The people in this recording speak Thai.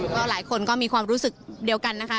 ก็หลายคนก็มีความรู้สึกเดียวกันนะคะ